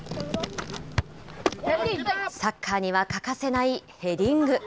サッカーには欠かせないヘディング。